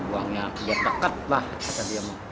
buangnya biar dekat lah kata dia